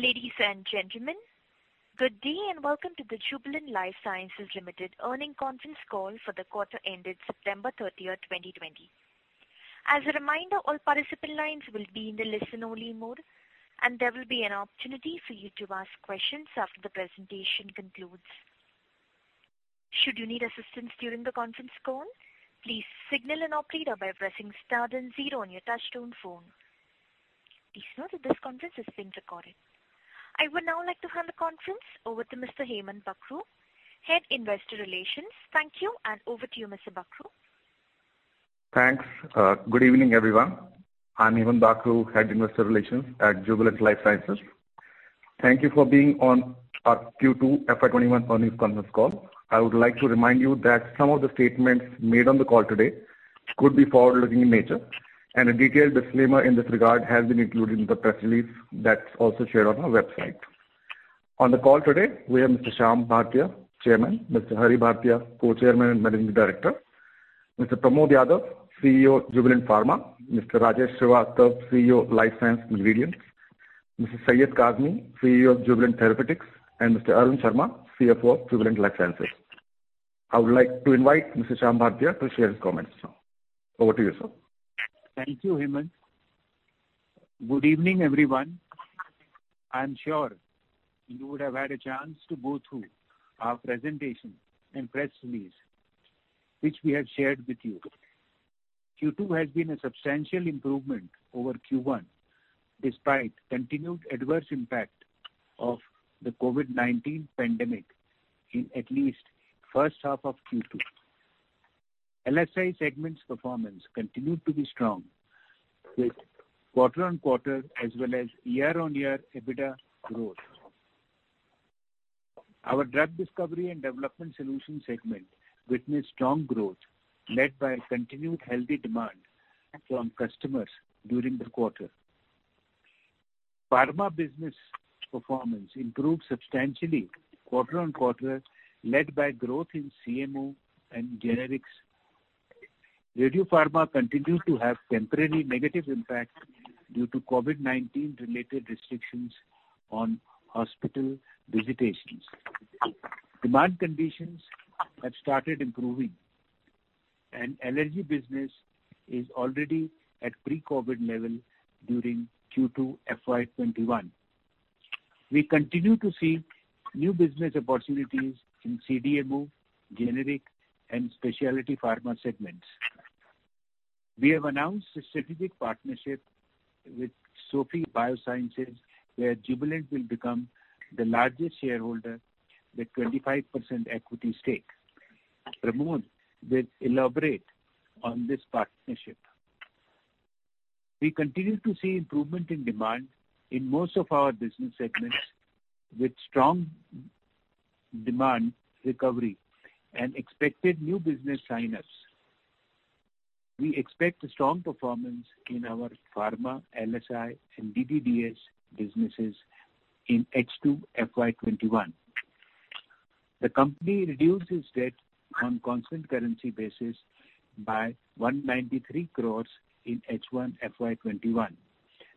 Ladies and gentlemen, good day and welcome to the Jubilant Life Sciences Limited Earnings Conference Call for the quarter ended September 30, 2020. As a reminder, all participant lines will be in the listen-only mode, and there will be an opportunity for you to ask questions after the presentation concludes. Should you need assistance during the conference call, please signal an operator by pressing star then zero on your touchtone phone. Please note that this conference is being recorded. I would now like to hand the conference over to Mr. Hemant Bakhru, Head of Investor Relations. Thank you, and over to you, Mr. Bakhru. Thanks. Good evening, everyone. I'm Hemant Bakhru, Head Investor Relations at Jubilant Life Sciences. Thank you for being on our Q2 FY 2021 earnings conference call. I would like to remind you that some of the statements made on the call today could be forward-looking in nature, and a detailed disclaimer in this regard has been included in the press release that's also shared on our website. On the call today, we have Mr. Shyam Bhartia, Chairman, Mr. Hari Bhartia, Co-Chairman and Managing Director, Mr. Pramod Yadav, CEO of Jubilant Pharma, Mr. Rajesh Srivastava, CEO of Life Science Ingredients, Mr. Syed Kazmi, CEO of Jubilant Therapeutics, and Mr. Arun Sharma, CFO of Jubilant Life Sciences. I would like to invite Mr. Shyam Bhartia to share his comments. Over to you, sir. Thank you, Hemant. Good evening, everyone. I'm sure you would have had a chance to go through our presentation and press release, which we have shared with you. Q2 has been a substantial improvement over Q1, despite continued adverse impact of the COVID-19 pandemic in at least first half of Q2. LSI segment's performance continued to be strong with quarter-on-quarter as well as year-on-year EBITDA growth. Our Drug Discovery and Development Solution segment witnessed strong growth led by a continued healthy demand from customers during the quarter. Pharma business performance improved substantially quarter-on-quarter, led by growth in CMO and generics. Radiopharma continued to have temporary negative impact due to COVID-19 related restrictions on hospital visitations. Demand conditions have started improving. Allergy business is already at pre-COVID level during Q2 FY 2021. We continue to see new business opportunities in CDMO, generic, and specialty pharma segments. We have announced a strategic partnership with SOFIE Biosciences, where Jubilant will become the largest shareholder with 25% equity stake. Pramod will elaborate on this partnership. We continue to see improvement in demand in most of our business segments with strong demand recovery and expected new business sign-ups. We expect a strong performance in our Pharma, LSI, and DDDS businesses in H2 FY 2021. The company reduced its debt on constant currency basis by 193 crore in H1 FY 2021.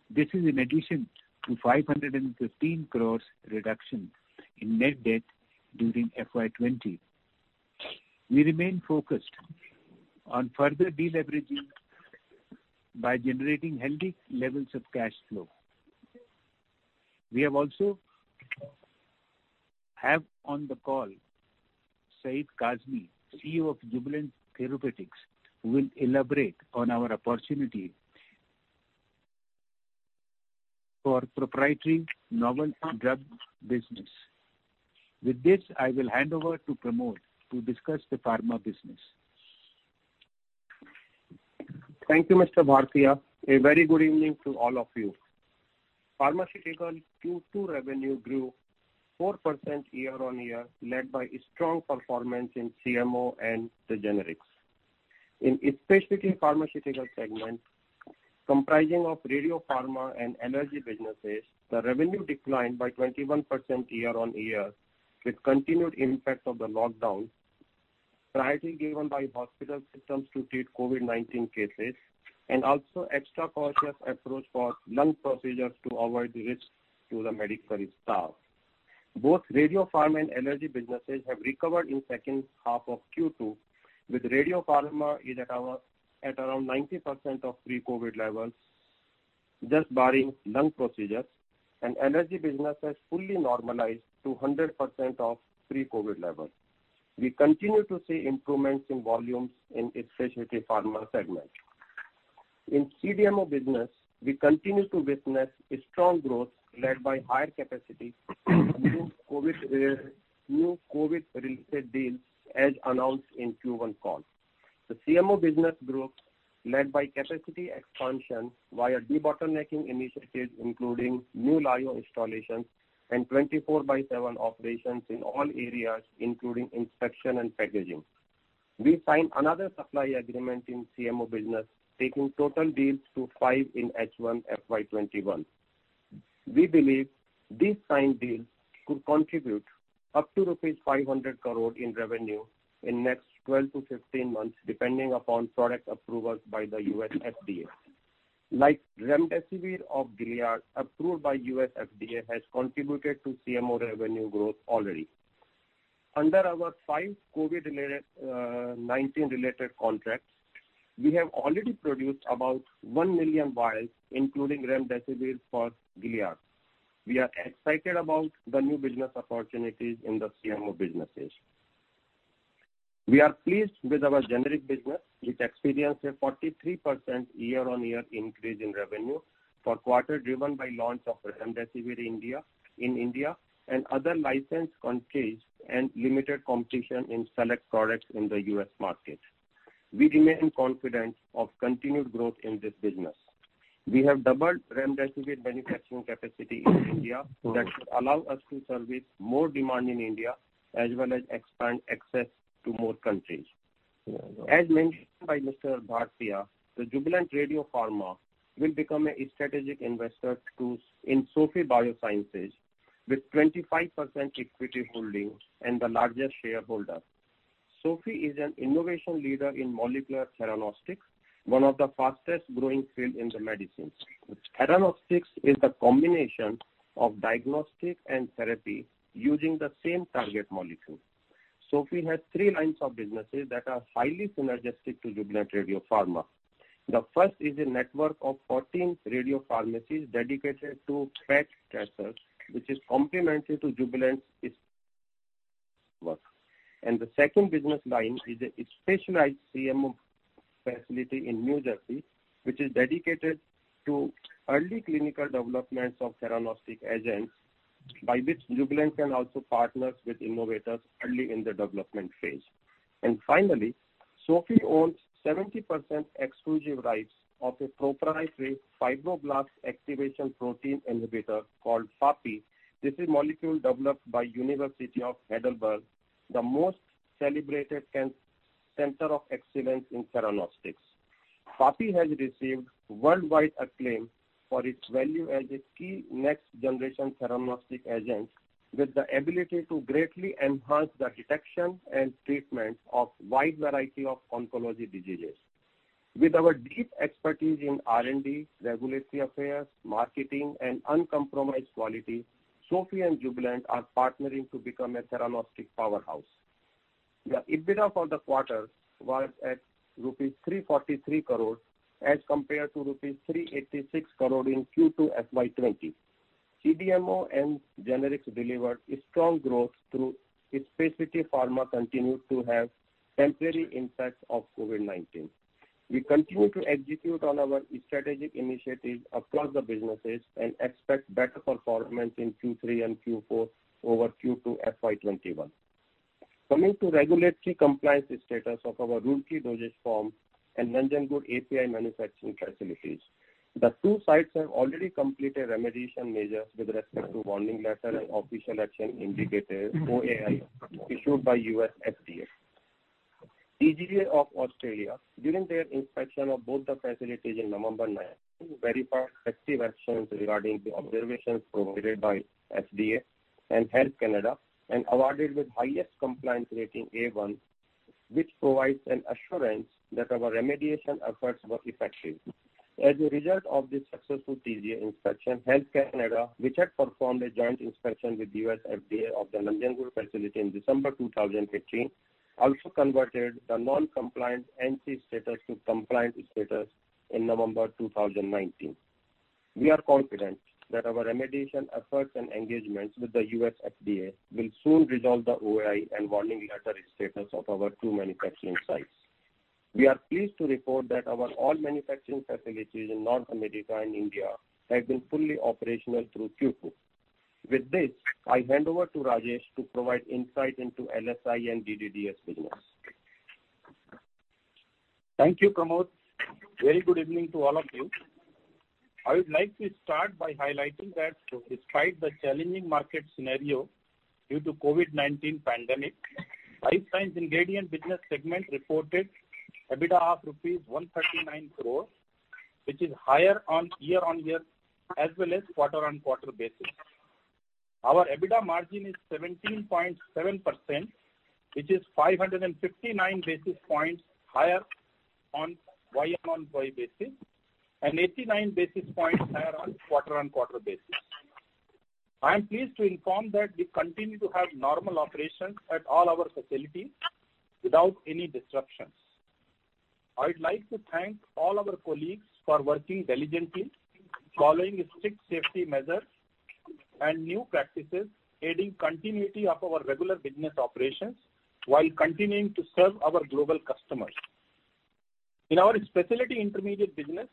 This is in addition to 515 crore reduction in net debt during FY 2020. We remain focused on further deleveraging by generating healthy levels of cash flow. We have also have on the call Syed Kazmi, CEO of Jubilant Therapeutics, who will elaborate on our opportunity for proprietary novel drug business. With this, I will hand over to Pramod to discuss the Pharma business. Thank you, Mr. Bhartia. A very good evening to all of you. Pharmaceutical Q2 revenue grew 4% year-on-year, led by a strong performance in CMO and the Generics. In specialty pharmaceutical segment, comprising of Radiopharma and Allergy businesses, the revenue declined by 21% year-on-year, with continued impact of the lockdown, priority given by hospital systems to treat COVID-19 cases, and also extra cautious approach for lung procedures to avoid the risk to the medical staff. Both Radiopharma and Allergy businesses have recovered in second half of Q2 with Radiopharma is at around 90% of pre-COVID levels, just barring lung procedures, and Allergy business has fully normalized to 100% of pre-COVID levels. We continue to see improvements in volumes in specialty pharma segment. In CDMO business, we continue to witness a strong growth led by higher capacity due new COVID-related deals as announced in Q1 call. The CMO business growth led by capacity expansion via debottlenecking initiatives, including new lyo installations and 24 by 7 operations in all areas, including inspection and packaging. We signed another supply agreement in CMO business, taking total deals to five in H1 FY 2021. We believe these signed deals could contribute up to rupees 500 crore in revenue in next 12-15 months, depending upon product approvals by the U.S. FDA. Like remdesivir of Gilead Sciences, approved by U.S. FDA, has contributed to CMO revenue growth already. Under our five COVID-19 related contracts, we have already produced about 1 million vials, including remdesivir for Gilead Sciences. We are excited about the new business opportunities in the CMO businesses. We are pleased with our generic business, which experienced a 43% year-on-year increase in revenue for quarter driven by launch of remdesivir in India, and other licensed countries and limited competition in select products in the U.S. market. We remain confident of continued growth in this business. We have doubled remdesivir manufacturing capacity in India that should allow us to service more demand in India as well as expand access to more countries. As mentioned by Mr. Bhartia, the Jubilant Radiopharma will become a strategic investor in SOFIE Biosciences with 25% equity holdings and the largest shareholder. SOFIE is an innovation leader in molecular theranostics, one of the fastest-growing field in the medicines. Theranostics is the combination of diagnostic and therapy using the same target molecule. SOFIE has three lines of businesses that are highly synergistic to Jubilant Radiopharma. The first is a network of 14 radiopharmacies dedicated to PET tracers, which is complementary to Jubilant's work. The second business line is a specialized CMO facility in New Jersey, which is dedicated to early clinical developments of theranostics agents, by which Jubilant can also partner with innovators early in the development phase. Finally, SOFIE owns 70% exclusive rights of a proprietary Fibroblast Activation Protein Inhibitor called FAPI. This is molecule developed by University of Heidelberg, the most celebrated center of excellence in theranostics. FAPI has received worldwide acclaim for its value as a key next-generation theranostics agent with the ability to greatly enhance the detection and treatment of wide variety of oncology diseases. With our deep expertise in R&D, regulatory affairs, marketing, and uncompromised quality, SOFIE and Jubilant are partnering to become a theranostics powerhouse. The EBITDA for the quarter was at rupees 343 crore as compared to rupees 386 crore in Q2 FY 2020. CDMO and generics delivered strong growth through specialty pharma continued to have temporary impacts of COVID-19. We continue to execute on our strategic initiatives across the businesses and expect better performance in Q3 and Q4 over Q2 FY 2021. Coming to regulatory compliance status of our Roorkee dosage form and Nanjangud API manufacturing facilities. The two sites have already completed remediation measures with respect to warning letter and official action indicated, OAI, issued by U.S. FDA. TGA of Australia, during their inspection of both the facilities in November ninth, verified effective actions regarding the observations provided by FDA and Health Canada, and awarded with highest compliance rating, A1, which provides an assurance that our remediation efforts were effective. As a result of this successful TGA inspection, Health Canada, which had performed a joint inspection with the U.S. FDA of the Nanjangud facility in December 2015, also converted the non-compliant NC status to compliant status in November 2019. We are confident that our remediation efforts and engagements with the U.S. FDA will soon resolve the OAI and warning letter status of our two manufacturing sites. We are pleased to report that our all manufacturing facilities in North America and India have been fully operational through Q2. With this, I hand over to Rajesh to provide insight into LSI and DDDS business. Thank you, Pramod. Very good evening to all of you. I would like to start by highlighting that despite the challenging market scenario due to COVID-19 pandemic, Life Sciences Ingredient business segment reported EBITDA of rupees 139 crore, which is higher on year-on-year as well as quarter-on-quarter basis. Our EBITDA margin is 17.7%, which is 559 basis points higher on Y-on-Y basis, and 89 basis points higher on quarter-on-quarter basis. I am pleased to inform that we continue to have normal operations at all our facilities without any disruptions. I would like to thank all our colleagues for working diligently, following strict safety measures and new practices, aiding continuity of our regular business operations while continuing to serve our global customers. In our specialty intermediate business,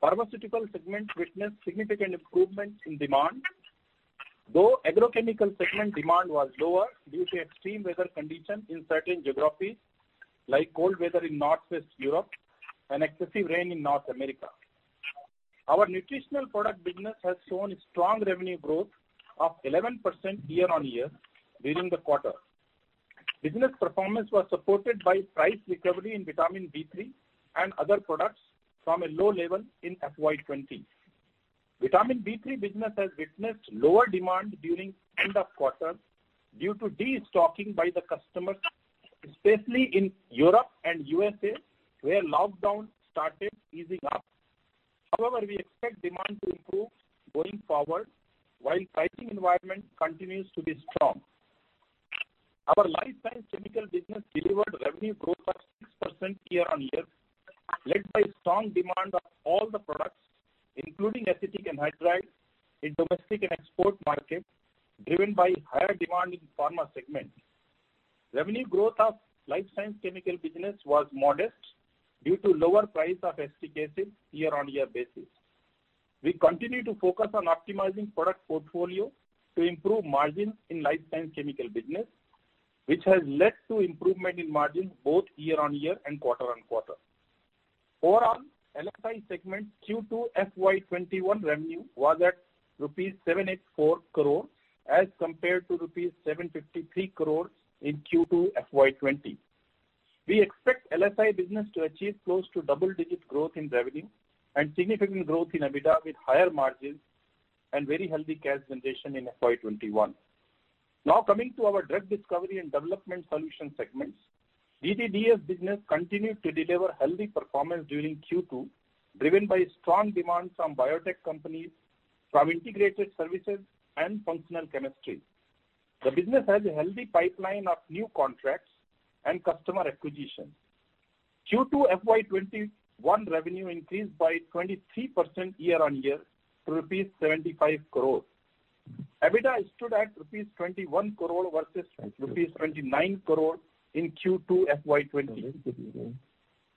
pharmaceutical segment witnessed significant improvements in demand, though agrochemical segment demand was lower due to extreme weather conditions in certain geographies like cold weather in Northwest Europe and excessive rain in North America. Our nutritional product business has shown strong revenue growth of 11% year-on-year during the quarter. Business performance was supported by price recovery in vitamin B3 and other products from a low level in FY 2020. Vitamin D3 business has witnessed lower demand during end of quarter due to de-stocking by the customers, especially in Europe and USA, where lockdown started easing up. However, we expect demand to improve going forward while pricing environment continues to be strong. Our Life Science Chemical business delivered revenue growth of 6% year-on-year, led by strong demand of all the products, including acetic anhydride in domestic and export market, driven by higher demand in pharma segment. Revenue growth of Life Science Chemical business was modest due to lower price of acetic anhydride year-on-year basis. We continue to focus on optimizing product portfolio to improve margins in Life Science Chemical business, which has led to improvement in margin both year-on-year and quarter-on-quarter. Overall, LSI segment Q2 FY 2021 revenue was at rupees 784 crore as compared to rupees 753 crore in Q2 FY 2020. We expect LSI business to achieve close to double-digit growth in revenue and significant growth in EBITDA with higher margins and very healthy cash generation in FY 2021. Coming to our Drug Discovery and Development Solution segments. DDDS business continued to deliver healthy performance during Q2, driven by strong demand from biotech companies from integrated services and functional chemistry. The business has a healthy pipeline of new contracts and customer acquisition. Q2 FY 2021 revenue increased by 23% year-on-year to rupees 75 crore. EBITDA stood at rupees 21 crore versus rupees 29 crore in Q2 FY 2020.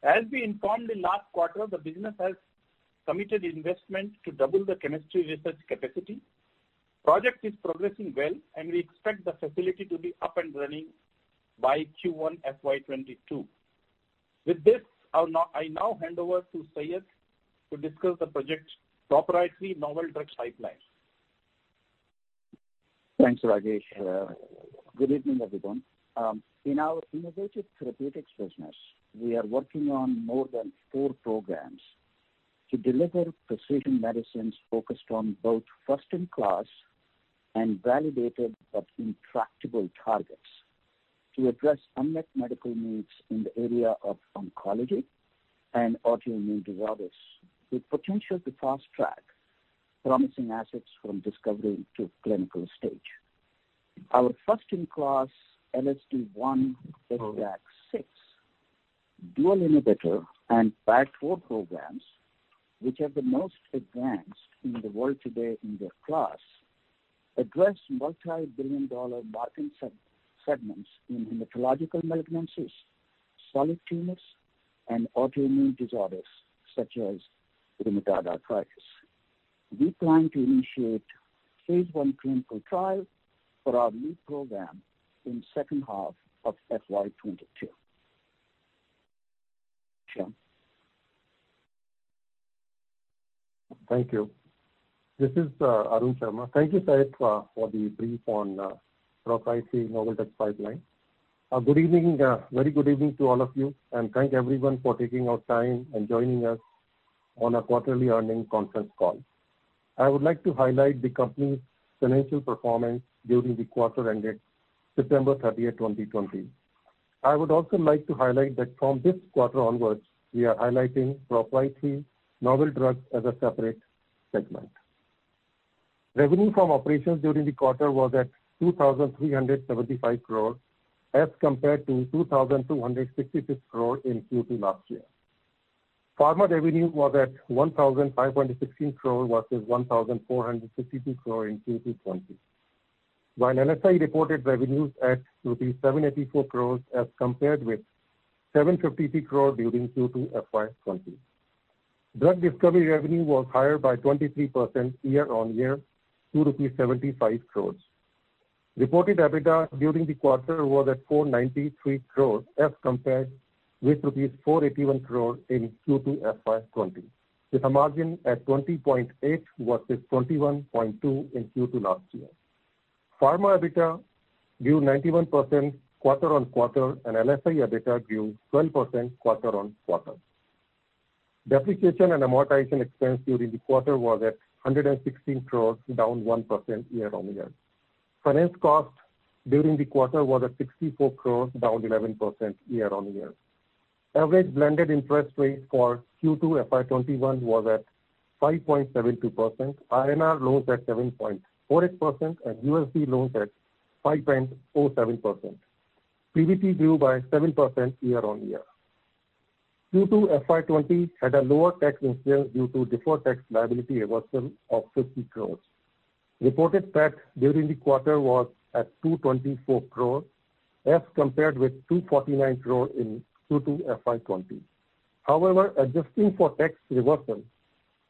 As we informed in last quarter, the business has committed investment to double the chemistry research capacity. Project is progressing well, and we expect the facility to be up and running by Q1 FY 2022. With this, I now hand over to Syed to discuss the project proprietary novel drugs pipeline. Thanks, Rajesh. Good evening, everyone. In our innovative therapeutics business, we are working on more than four programs to deliver precision medicines focused on both first-in-class and validated but intractable targets to address unmet medical needs in the area of oncology and autoimmune disorders, with potential to fast track promising assets from discovery to clinical stage. Our first-in-class LSD1/HDAC6 dual inhibitor and PAD4 programs, which are the most advanced in the world today in their class, address multi-billion-dollar market segments in hematological malignancies, solid tumors, and autoimmune disorders, such as rheumatoid arthritis. We plan to initiate phase I clinical trial for our lead program in second half of FY 2022. Thank you. This is Arun Sharma. Thank you, Syed, for the brief on proprietary novel drugs pipeline. Very good evening to all of you, and thank everyone for taking out time and joining us on our quarterly earnings conference call. I would like to highlight the company's financial performance during the quarter ended September 30th, 2020. I would also like to highlight that from this quarter onwards, we are highlighting proprietary novel drugs as a separate segment. Revenue from operations during the quarter was at 2,375 crore as compared to 2,266 crore in Q2 last year. Pharma revenue was at 1,516 crore versus 1,462 crore in Q2 2020. While LSI reported revenues at 784 crore as compared with 753 crore during Q2 FY 2020. Drug discovery revenue was higher by 23% year-on-year to rupees 75 crore. Reported EBITDA during the quarter was at 493 crore as compared with rupees 481 crore in Q2 FY 2020, with a margin at 20.8% versus 21.2% in Q2 last year. Pharma EBITDA grew 91% quarter-on-quarter, and LSI EBITDA grew 12% quarter-on-quarter. Depreciation and amortization expense during the quarter was at 116 crore, down 1% year-on-year. Finance cost during the quarter was at 64 crore, down 11% year-on-year. Average blended interest rate for Q2 FY 2021 was at 5.72%, INR loans at 7.48%, and USD loans at 5.47%. PBT grew by 7% year-on-year. Q2 FY 2020 had a lower tax incidence due to deferred tax liability reversal of 50 crore. Reported PAT during the quarter was at 224 crore as compared with 249 crore in Q2 FY 2020. However, adjusting for tax reversal,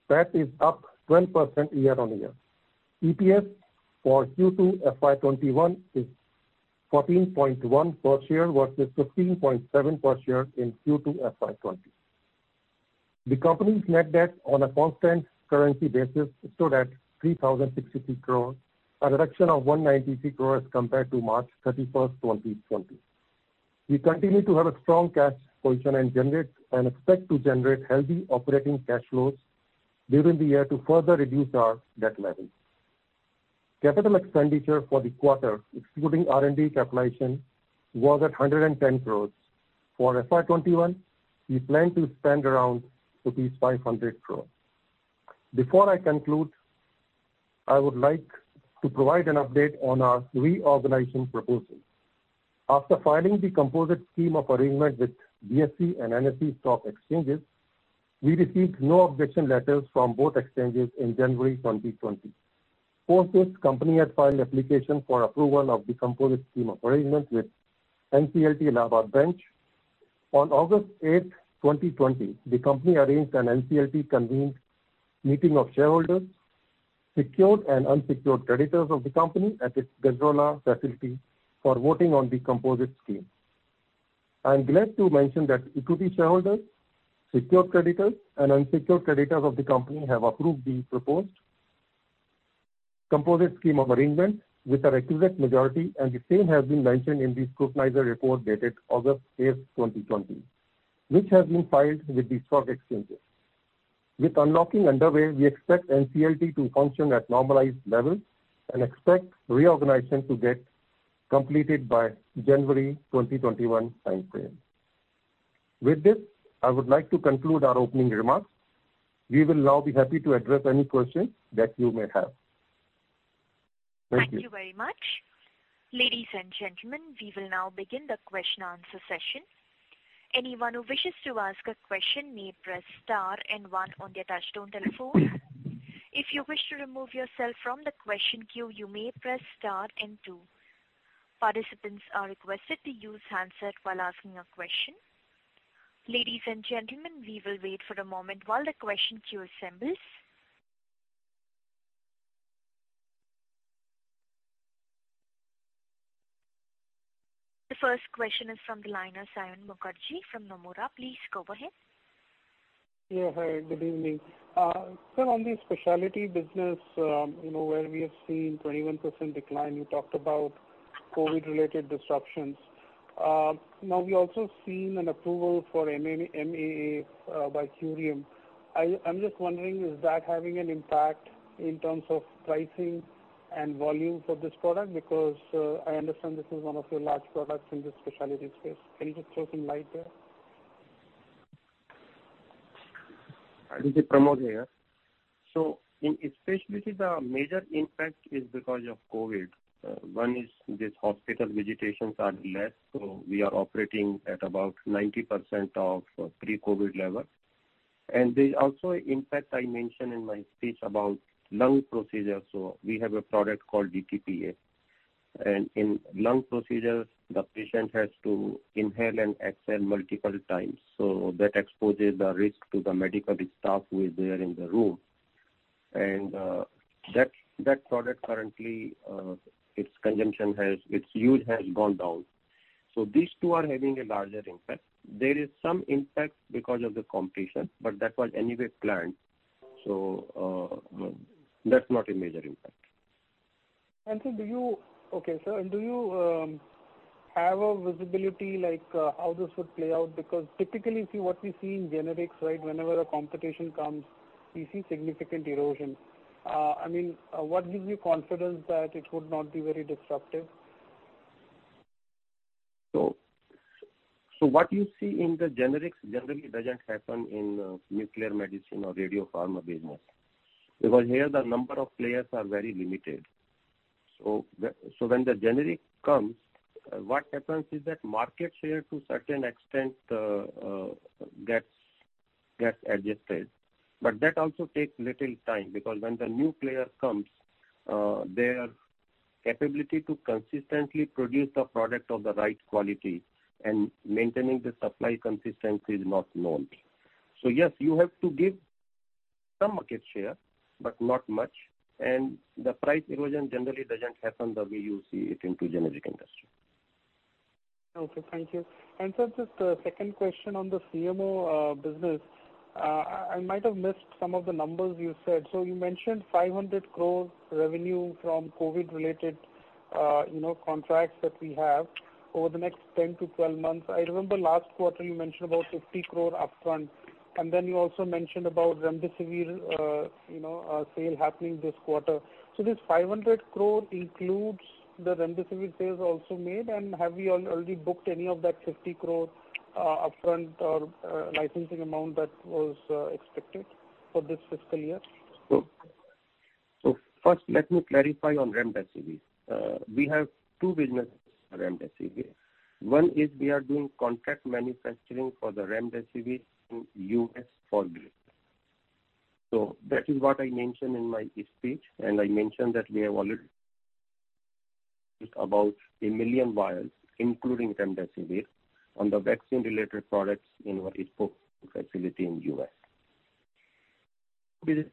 PAT is up 20% year-on-year. EPS for Q2 FY 2021 is 14.1 per share versus 15.7 per share in Q2 FY 2020. The company's net debt on a constant currency basis stood at 3,060 crores, a reduction of 193 crores compared to March 31st, 2020. We continue to have a strong cash position and expect to generate healthy operating cash flows during the year to further reduce our debt level. Capital expenditure for the quarter, excluding R&D capitalization, was at 110 crores. For FY 2021, we plan to spend around rupees 500 crores. Before I conclude, I would like to provide an update on our reorganization proposal. After filing the composite scheme of arrangement with BSE and NSE stock exchanges, we received no objection letters from both exchanges in January 2021. This company had filed application for approval of the composite scheme of arrangement with NCLT Allahabad branch. On August 8th, 2020, the company arranged an NCLT convened meeting of shareholders, secured and unsecured creditors of the company at its Gajraula facility for voting on the composite scheme. I'm glad to mention that equity shareholders, secured creditors and unsecured creditors of the company have approved the proposed composite scheme of arrangement with the requisite majority, and the same has been mentioned in the scrutinizer report dated August 8th, 2020, which has been filed with the stock exchanges. With unlocking underway, we expect NCLT to function at normalized levels and expect reorganization to get completed by January 2021 timeframe. I would like to conclude our opening remarks. We will now be happy to address any questions that you may have. Thank you. Thank you very much. Ladies and gentlemen, we will now begin the question answer session. Anyone who wishes to ask a question may press star and one on their touchtone telephone. If you wish to remove yourself from the question queue, you may press star and two. Participants are requested to use handset while asking a question. Ladies and gentlemen, we will wait for a moment while the question queue assembles. The first question is from the line of Saion Mukherjee from Nomura. Please go ahead. Yeah, hi, good evening. Sir, on the specialty business, where we have seen 21% decline, you talked about COVID-related disruptions. We also seen an approval for MAA by Curium. I'm just wondering, is that having an impact in terms of pricing and volume for this product? I understand this is one of your large products in the specialty space. Can you just throw some light there? This is Pramod here. In specialty, the major impact is because of COVID. One is this hospital visitations are less. We are operating at about 90% of pre-COVID level. There's also impact I mentioned in my speech about lung procedure. We have a product called DTPA. In lung procedures, the patient has to inhale and exhale multiple times, that exposes the risk to the medical staff who is there in the room. That product currently, its use has gone down. These two are having a larger impact. There is some impact because of the competition, that was anyway planned. That's not a major impact. Okay. Sir, do you have a visibility, like, how this would play out? Typically, what we see in generics, whenever a competition comes, we see significant erosion. What gives you confidence that it would not be very disruptive? What you see in the generics generally doesn't happen in nuclear medicine or Radiopharma business, because here the number of players are very limited. When the generic comes, what happens is that market share to certain extent gets adjusted. That also takes little time, because when the new player comes, their capability to consistently produce the product of the right quality and maintaining the supply consistency is not known. Yes, you have to give some market share, but not much, and the price erosion generally doesn't happen the way you see it into generic industry. Okay. Thank you. Sir, just a second question on the CMO business. I might have missed some of the numbers you said. You mentioned 500 crore revenue from COVID-19-related contracts that we have over the next 10-12 months. I remember last quarter you mentioned about 50 crore upfront, and then you also mentioned about remdesivir sale happening this quarter. This 500 crore includes the remdesivir sales also made, and have you already booked any of that 50 crore upfront or licensing amount that was expected for this fiscal year? First let me clarify on remdesivir. We have two businesses for remdesivir. One is we are doing contract manufacturing for the remdesivir in U.S. for around 1 million. That is what I mentioned in my speech, and I mentioned that we have already about a million vials, including remdesivir, on the vaccine-related products in Spokane, Washington in U.S. Business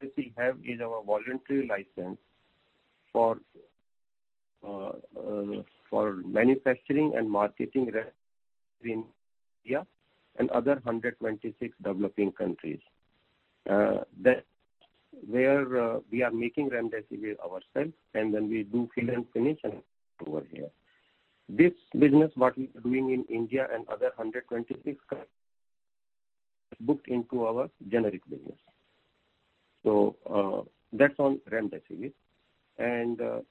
that we have is our voluntary license for manufacturing and marketing in India and other 126 developing countries. There we are making remdesivir ourselves, and then we do fill and finish and over here. This business, what we are doing in India and other 126 countries, booked into our generic business. That's on remdesivir.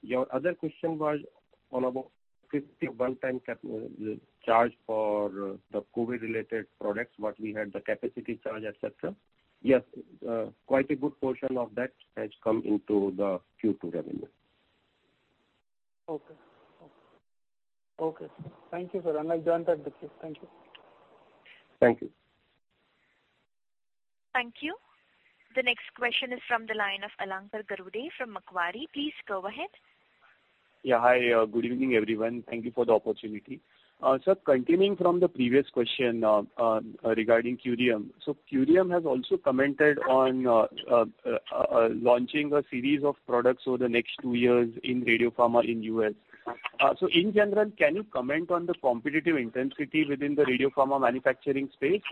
Your other question was on about 50 one-time charge for the COVID-related products, what we had the capacity charge, et cetera. Yes. Quite a good portion of that has come into the Q2 revenue. Okay. Thank you, sir. Like done. Thank you. Thank you. Thank you. The next question is from the line of Alankar Garude from Macquarie. Please go ahead. Yeah. Hi. Good evening, everyone. Thank you for the opportunity. Sir, continuing from the previous question regarding Curium. Curium has also commented on launching a series of products over the next two years in Radiopharma in the U.S. In general, can you comment on the competitive intensity within the Radiopharma manufacturing space?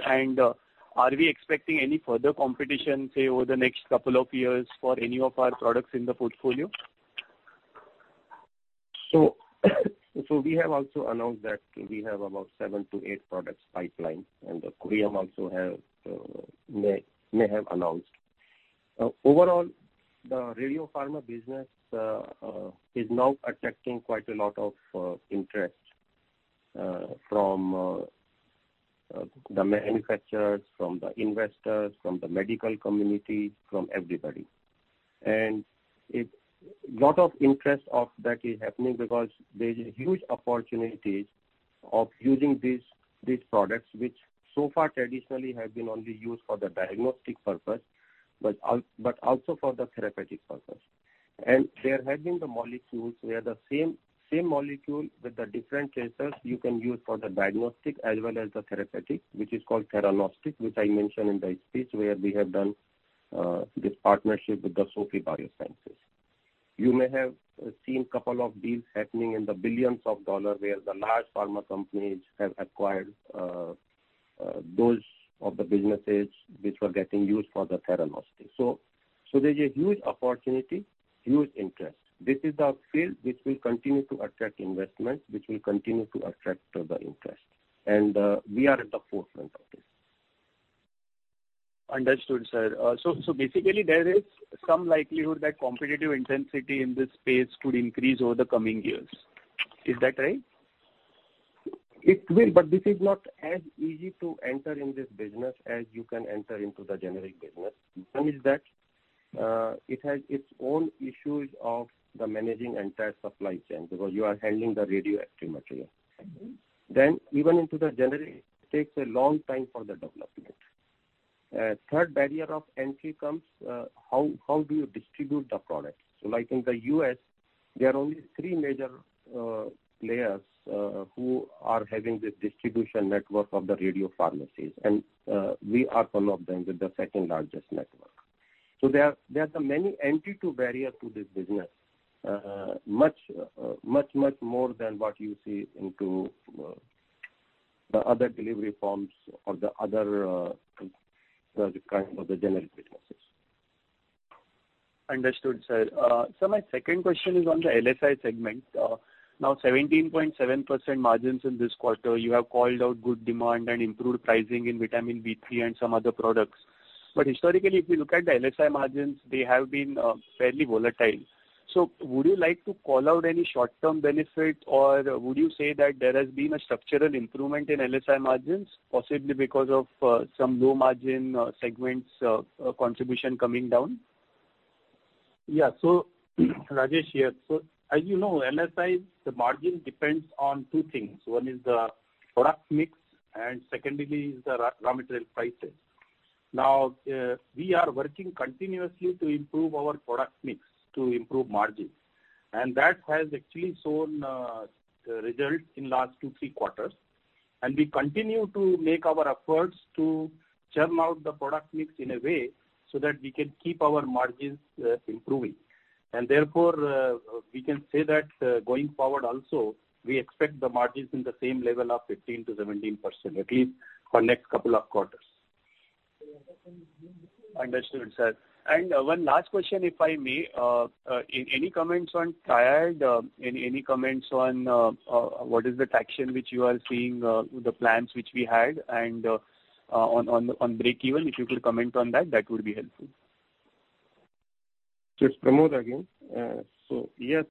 Are we expecting any further competition, say, over the next couple of years for any of our products in the portfolio? We have also announced that we have about seven to eight products pipeline, and Curium also may have announced. Overall, the Radiopharma business is now attracting quite a lot of interest from the manufacturers, from the investors, from the medical community, from everybody. A lot of interest of that is happening because there's huge opportunities of using these products, which so far traditionally have been only used for the diagnostic purpose, but also for the therapeutic purpose. There have been the molecules where the same molecule with the different tracers you can use for the diagnostic as well as the therapeutic, which is called Theranostic, which I mentioned in my speech, where we have done this partnership with SOFIE Biosciences. You may have seen couple of deals happening in the billions of dollar where the large pharma companies have acquired those of the businesses which were getting used for the Theranostics. There's a huge opportunity, huge interest. This is the field which will continue to attract investment, which will continue to attract further interest. We are at the forefront of this. Understood, sir. Basically, there is some likelihood that competitive intensity in this space could increase over the coming years. Is that right? It will. This is not as easy to enter in this business as you can enter into the generic business. One is that it has its own issues of the managing entire supply chain because you are handling the radioactive material. Even into the generic, it takes a long time for the development. Third barrier of entry comes, how do you distribute the product? Like in the U.S., there are only three major players who are having this distribution network of the radiopharmacies, and we are one of them with the second largest network. There are many entry to barrier to this business. Much more than what you see into the other delivery forms or the other kind of the generic businesses. Understood, sir. Sir, my second question is on the LSI segment. Now 17.7% margins in this quarter. You have called out good demand and improved pricing in vitamin B3 and some other products. Historically, if you look at the LSI margins, they have been fairly volatile. Would you like to call out any short-term benefit or would you say that there has been a structural improvement in LSI margins possibly because of some low-margin segments contribution coming down? Rajesh here. As you know, LSI, the margin depends on two things. One is the product mix and secondly is the raw material prices. Now we are working continuously to improve our product mix to improve margins and that has actually shown results in last two, three quarters and we continue to make our efforts to churn out the product mix in a way so that we can keep our margins improving. We can say that going forward also we expect the margins in the same level of 15%-17%, at least for next couple of quarters. Understood, sir. One last question if I may. Any comments on Triad? Any comments on what is the traction which you are seeing, the plans which we had and on breakeven if you could comment on that would be helpful. Yes,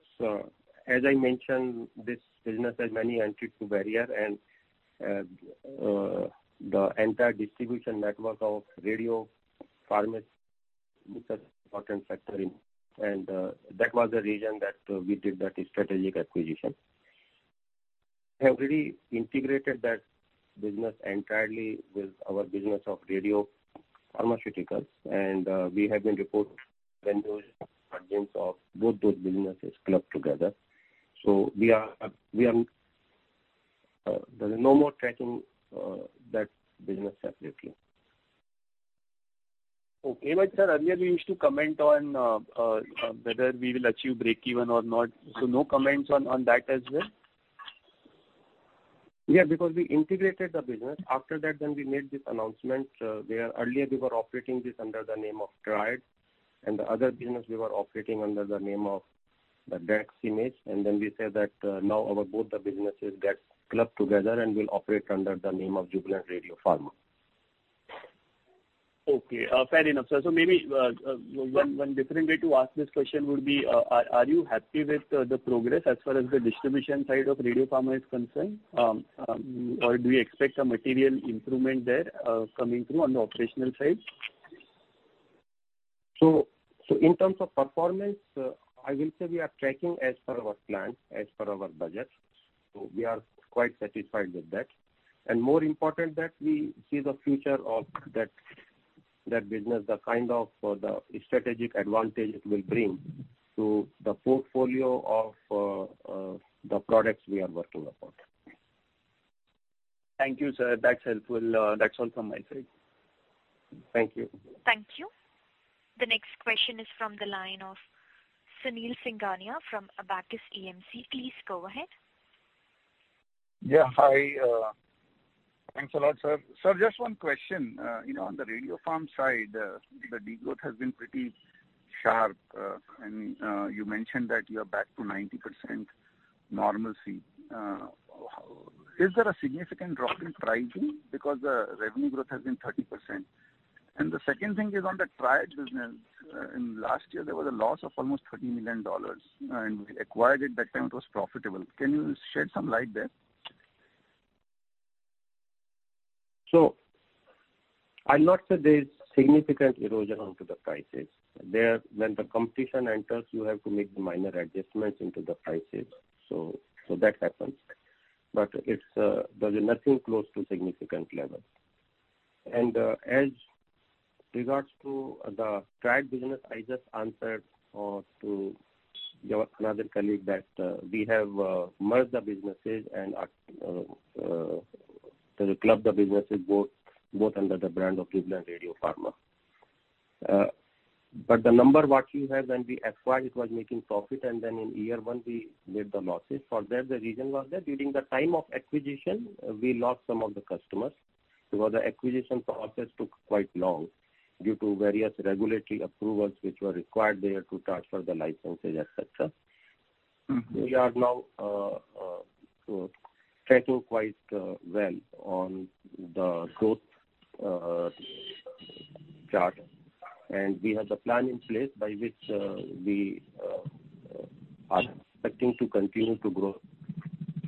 as I mentioned, this business has many entry to barrier and the entire distribution network of radiopharmacy is an important factor in and that was the reason that we did that strategic acquisition. We have already integrated that business entirely with our business of radiopharmaceuticals and we have been reporting when those margins of both those businesses clubbed together. There is no more tracking that business separately. Okay. Sir, earlier we used to comment on whether we will achieve breakeven or not. No comments on that as well? Because we integrated the business. After that, then we made this announcement. Earlier we were operating this under the name of Triad, and the other business we were operating under the name of the DraxImage. Then we said that now our both the businesses get clubbed together and will operate under the name of Jubilant Radiopharma. Okay. Fair enough, sir. Maybe one different way to ask this question would be, are you happy with the progress as far as the distribution side of Radiopharma is concerned? Or do you expect some material improvement there coming through on the operational side? In terms of performance, I will say we are tracking as per our plan, as per our budget. We are quite satisfied with that. More important that we see the future of that business, the kind of strategic advantage it will bring to the portfolio of the products we are working upon. Thank you, sir. That's helpful. That's all from my side. Thank you. Thank you. The next question is from the line of Sunil Singhania from Abakkus AMC. Please go ahead. Yeah. Hi. Thanks a lot, sir. Sir, just one question. On the Radiopharma side, the de-growth has been pretty sharp, and you mentioned that you're back to 90% normalcy. Is there a significant drop in pricing because the revenue growth has been 30%? The second thing is on the Triad business. In last year, there was a loss of almost $30 million, and we acquired it, that time it was profitable. Can you shed some light there? I'll not say there's significant erosion onto the prices. When the competition enters, you have to make minor adjustments into the prices. That happens. There's nothing close to significant level. As regards to the Triad business, I just answered to your another colleague that we have merged the businesses and clubbed the businesses both under the brand of Jubilant Radiopharma. The number what you have when we acquired it was making profit and then in year one we made the losses. The reason for that was that during the time of acquisition, we lost some of the customers because the acquisition process took quite long due to various regulatory approvals which were required there to transfer the licenses, et cetera. We are now tracking quite well on the growth chart, and we have the plan in place by which we are expecting to continue to grow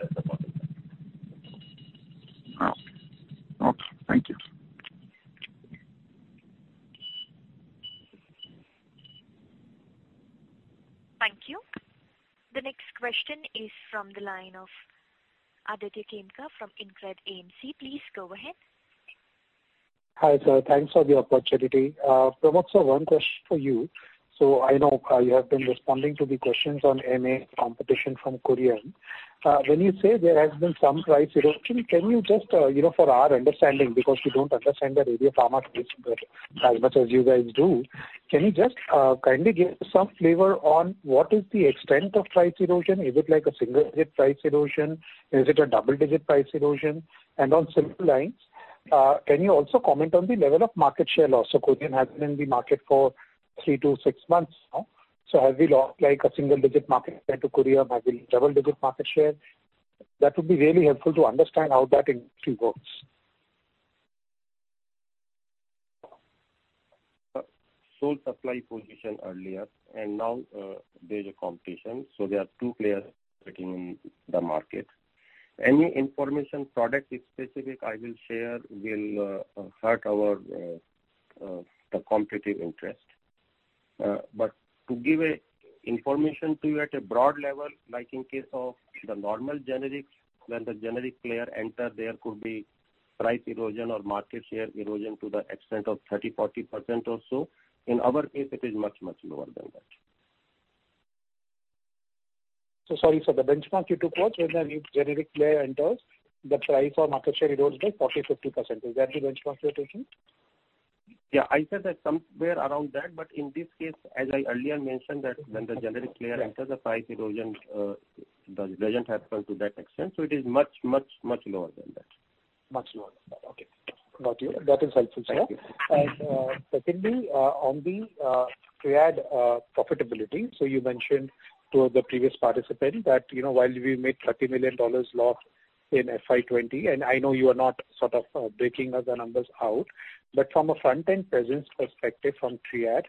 as a partnership. Okay. Thank you. Thank you. The next question is from the line of Aditya Khemka from InCred AMC. Please go ahead. Hi, sir. Thanks for the opportunity. Pramod Sir, one question for you. I know you have been responding to the questions on MAA competition from Curium. When you say there has been some price erosion, can you just, for our understanding, because we don't understand the Radiopharma space as much as you guys do, can you just kindly give some flavor on what is the extent of price erosion? Is it like a single-digit price erosion? Is it a double-digit price erosion? On similar lines, can you also comment on the level of market share loss? Curium has been in the market for three to six months now. Have we lost a single-digit market share to Curium? Have we lost double-digit market share? That would be really helpful to understand how that industry works. Sole supply position earlier. Now there's a competition. There are two players sitting in the market. Any information product specific I will share will hurt our competitive interest. To give information to you at a broad level, like in case of the normal generics, when the generic player enter, there could be price erosion or market share erosion to the extent of 30%, 40% or so. In our case, it is much, much lower than that. Sorry, sir. The benchmark you took was when a new generic player enters, the price or market share erodes by 40%, 50%. Is that the benchmark you're taking? Yeah, I said that somewhere around that. In this case, as I earlier mentioned that when the generic player enters, the price erosion doesn't happen to that extent. It is much, much, much lower than that. Much lower. Okay. Got you. That is helpful, sir. Thank you. Secondly, on the Triad profitability. You mentioned to the previous participant that while we made $30 million loss in FY 2020, and I know you are not sort of breaking the numbers out, but from a front-end presence perspective from Triad,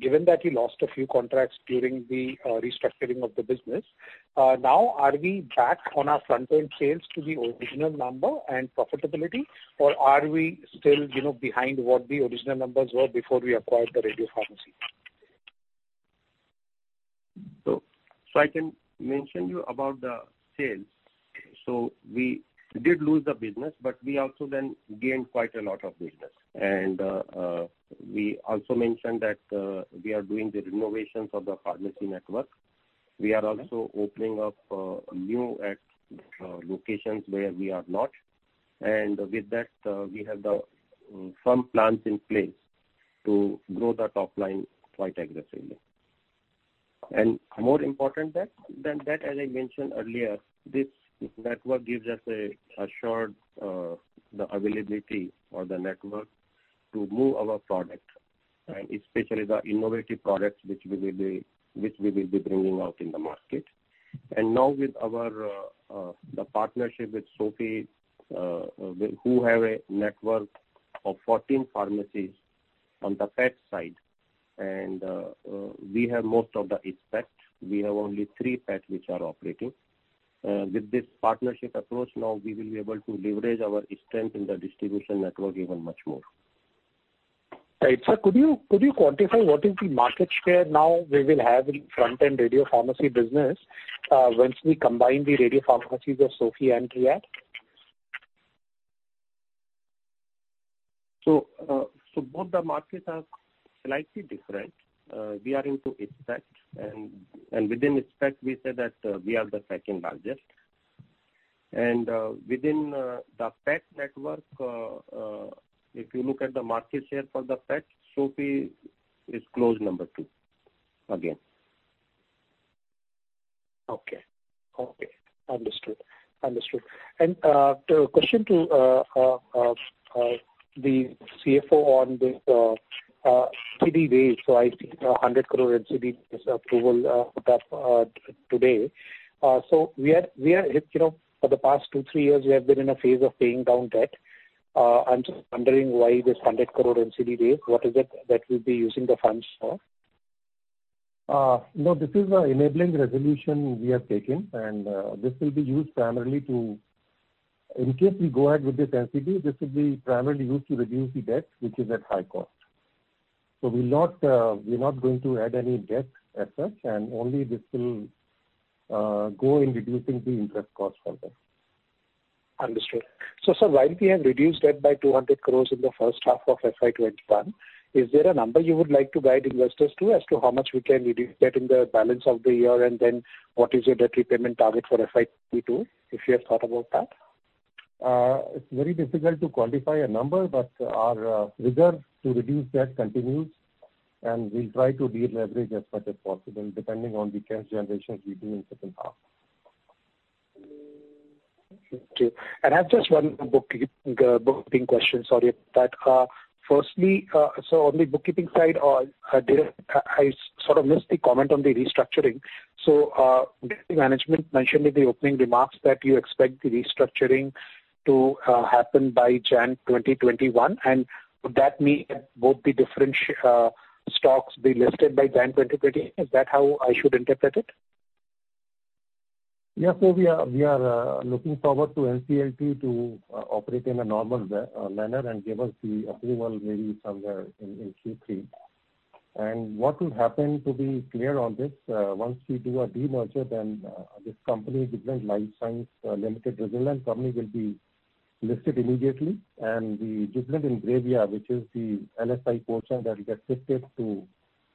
given that you lost a few contracts during the restructuring of the business, now are we back on our front-end sales to the original number and profitability, or are we still behind what the original numbers were before we acquired the radiopharmacy? I can mention you about the sales. We did lose the business, but we also then gained quite a lot of business. We also mentioned that we are doing the renovations of the pharmacy network. We are also opening up new locations where we are not. With that, we have some plans in place to grow the top line quite aggressively. More important than that, as I mentioned earlier, this network gives us a assured the availability for the network to move our product, and especially the innovative products which we will be bringing out in the market. Now with the partnership with SOFIE, who have a network of 14 pharmacies on the PET side, and we have most of the SPECT. We have only three PETs which are operating. With this partnership approach, now we will be able to leverage our strength in the distribution network even much more. Right. Sir, could you quantify what is the market share now we will have in front-end radiopharmacy business once we combine the radiopharmacies of SOFIE and Triad? Both the markets are slightly different. Within SPECT, we say that we are the second largest. Within the PET network, if you look at the market share for the PETs, SOFIE is close number two again. Okay. Understood. The question to the CFO on the NCD raise. I see 100 crore NCD approval put up today. For the past two, three years, we have been in a phase of paying down debt. I'm just wondering why this 100 crore NCD raise, what is it that we'll be using the funds for? No, this is a enabling resolution we have taken, and this will be used primarily to, in case we go ahead with this NCD, this will be primarily used to reduce the debt which is at high cost. We're not going to add any debt as such, and only this will go in reducing the interest cost for that. Understood. Sir, while we have reduced debt by 200 crores in the first half of FY 2021, is there a number you would like to guide investors to as to how much we can reduce debt in the balance of the year? What is your debt repayment target for FY 2022, if you have thought about that? It's very difficult to quantify a number, but our vigor to reduce debt continues, and we'll try to de-leverage as much as possible depending on the cash generations we do in second half. Okay. I have just one bookkeeping question, sorry at that. Firstly, on the bookkeeping side, I sort of missed the comment on the restructuring. The management mentioned in the opening remarks that you expect the restructuring to happen by January 2021, would that mean both the different stocks be listed by January 2020? Is that how I should interpret it? Yeah. We are looking forward to NCLT to operate in a normal manner and give us the approval maybe somewhere in Q3. What will happen, to be clear on this, once we do a demerger, then this company, Jubilant Life Sciences Limited, the Jubilant company will be listed immediately, and the Jubilant Ingrevia, which is the LSI portion that will get shifted to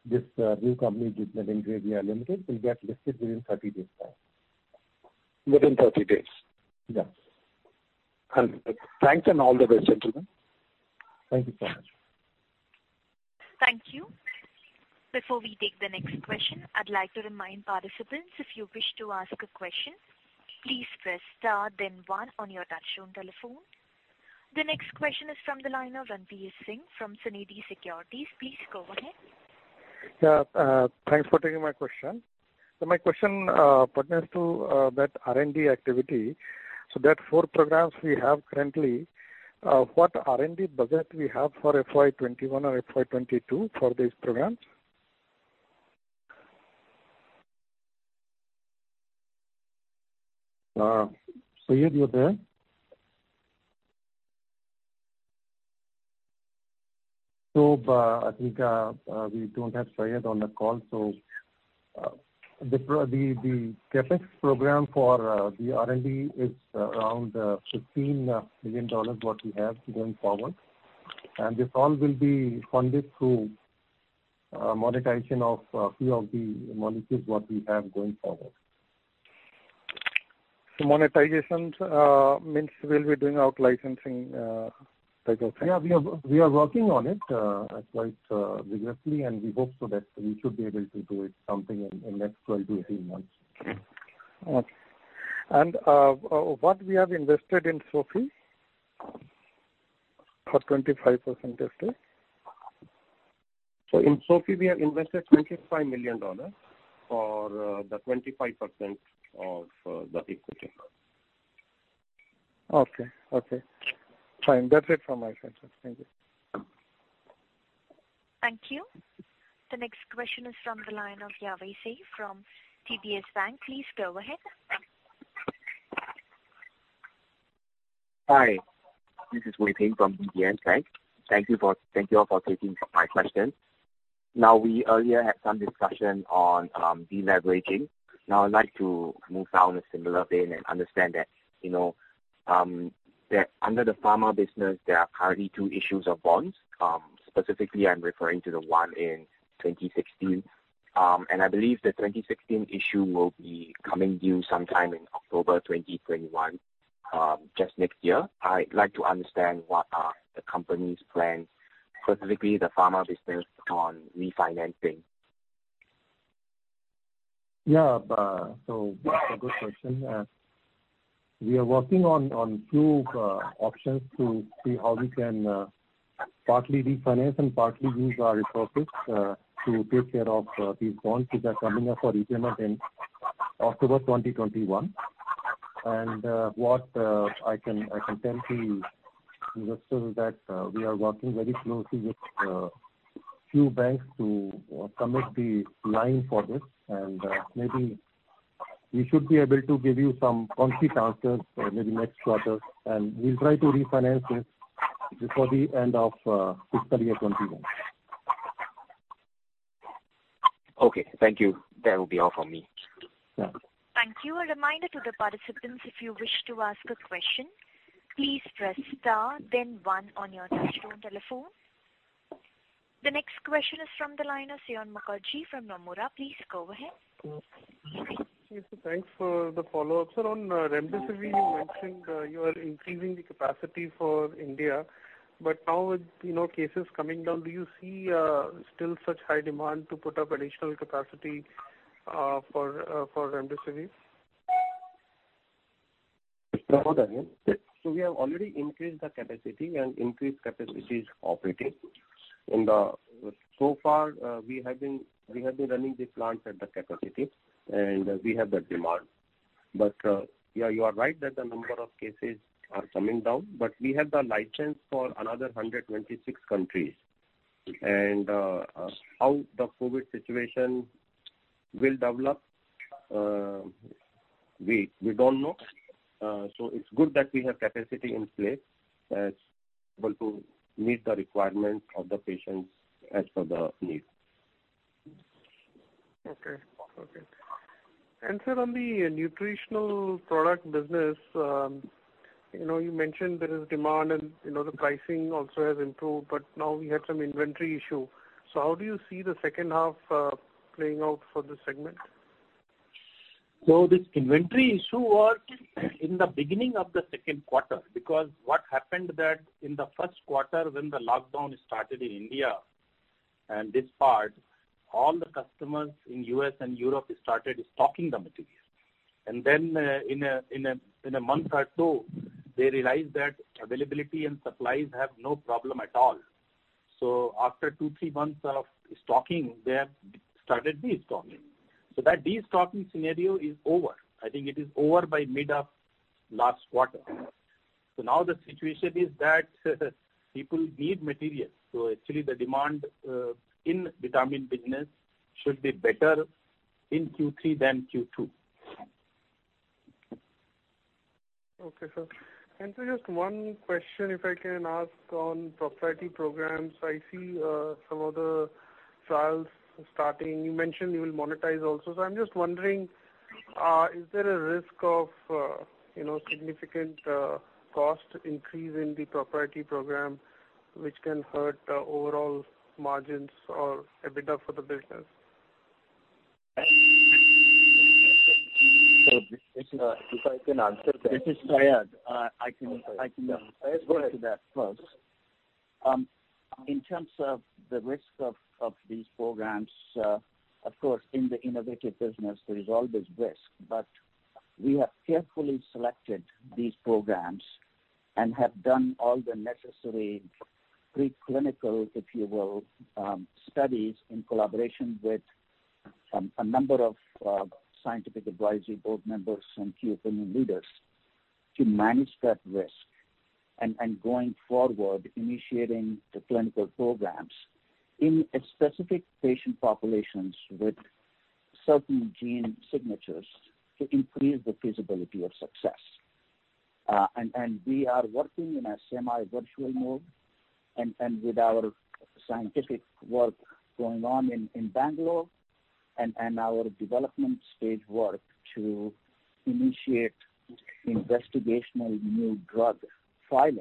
this new company, Jubilant Ingrevia Limited, will get listed within 30 days time. Within 30 days? Yeah. Understood. Thanks and all the best, gentlemen. Thank you so much. Thank you. Before we take the next question, I'd like to remind participants that if you wish to ask a question, please press star then one on your touchtone telephone. The next question is from the line of Ranvir Singh from Sunidhi Securities. Please go ahead. Yeah, thanks for taking my question. My question pertains to that R&D activity. That four programs we have currently, what R&D budget we have for FY 2021 or FY 2022 for these programs? Syed, you there? I think we don't have Syed on the call. The CapEx program for the R&D is around $15 million what we have going forward. This all will be funded through monetization of a few of the molecules that we have going forward. Monetization means we'll be doing out licensing type of thing? Yeah, we are working on it quite vigorously, and we hope so that we should be able to do it something in next 12 to 18 months. Okay. What we have invested in SOFIE for 25% equity? In SOFIE we have invested $25 million for the 25% of the equity. Okay. Fine. That's it from my side, sir. Thank you. Thank you. The next question is from the line of Weiting Seah from DBS Bank. Please go ahead. Hi, this is Weiting Seah from DBS Bank. Thank you all for taking my question. Now, we earlier had some discussion on de-leveraging. Now I'd like to move down a similar vein and understand Under the pharma business, there are currently two issues of bonds. Specifically, I'm referring to the one in 2016. I believe the 2016 issue will be coming due sometime in October 2021, just next year. I'd like to understand what are the company's plans, specifically the pharma business, on refinancing. That's a good question. We are working on two options to see how we can partly refinance and partly use our resources to take care of these bonds, which are coming up for repayment in October 2021. What I can tell the investor is that we are working very closely with a few banks to commit the line for this. Maybe we should be able to give you some concrete answers maybe next quarter. We'll try to refinance this before the end of fiscal year 2021. Okay. Thank you. That will be all from me. Yeah. Thank you. A reminder to the participants, if you wish to ask a question, please press star then one on your touch-tone telephone. The next question is from the line of Saion Mukherjee from Nomura. Please go ahead. Yes, sir. Thanks for the follow-up. Sir, on remdesivir, you mentioned you are increasing the capacity for India, but now with cases coming down, do you see still such high demand to put up additional capacity for remdesivir? Pramod again. Yes. We have already increased the capacity and increased capacity is operating. So far, we have been running the plant at the capacity, and we have that demand. Yeah, you are right that the number of cases are coming down, but we have the license for another 126 countries. Okay. How the COVID situation will develop, we don't know. It's good that we have capacity in place that's able to meet the requirement of the patients as per the need. Okay. sir, on the nutritional product business, you mentioned there is demand and the pricing also has improved, but now we have some inventory issue. How do you see the second half playing out for this segment? This inventory issue was in the beginning of the second quarter because what happened that in the first quarter when the lockdown started in India and this part, all the customers in U.S. and Europe started stocking the material. In a month or two, they realized that availability and supplies have no problem at all. After two, three months of stocking, they have started de-stocking. That de-stocking scenario is over. I think it is over by mid of last quarter. Now the situation is that people need materials. Actually the demand in vitamin business should be better in Q3 than Q2. Okay, sir. Sir, just one question, if I can ask on proprietary programs. I see some of the trials starting. You mentioned you will monetize also. I'm just wondering, is there a risk of significant cost increase in the proprietary program which can hurt overall margins or EBITDA for the business? If I can answer that. This is Syed. I can answer that first. Oh, sorry. Go ahead. In terms of the risk of these programs, of course, in the innovative business, there is always risk. We have carefully selected these programs and have done all the necessary pre-clinical, if you will, studies in collaboration with a number of scientific advisory board members and key opinion leaders to manage that risk. Going forward, initiating the clinical programs in specific patient populations with certain gene signatures to increase the feasibility of success. We are working in a semi-virtual mode and with our scientific work going on in Bangalore and our development stage work to initiate investigational new drug filing